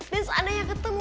dan seandainya ketemu